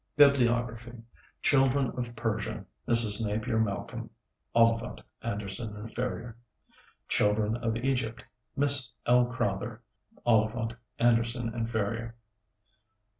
BIBLIOGRAPHY Children of Persia, Mrs. Napier Malcolm, (Oliphant, Anderson & Ferrier.) Children of Egypt, Miss L. Crowther, (Oliphant, Anderson & Ferrier.)